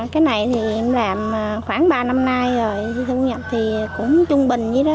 cái này thì em làm khoảng ba năm nay rồi thu nhập thì cũng trung bình vậy đó